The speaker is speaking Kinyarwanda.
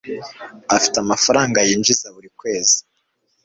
Afite amafaranga yinjiza buri kwezi.